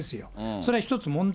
それが一つ問題。